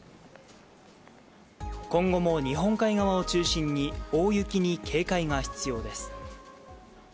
今後も日本海側を中心に大雪に警戒が必要です。